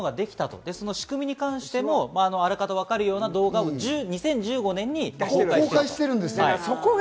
仕組みに関してもあらかたわかるような動画を２０１５年に出しています。